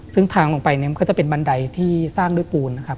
ซึ่งทางลงไปก็จะเป็นบันไดที่สร้างด้วยปูน